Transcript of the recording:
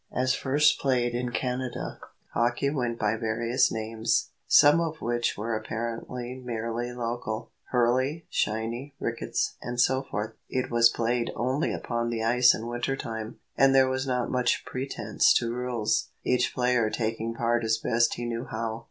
As first played in Canada, hockey went by various names, some of which were apparently merely local—hurley, shinny, rickets, and so forth, It was played only upon the ice in winter time, and there was not much pretence to rules, each player taking part as best he knew how.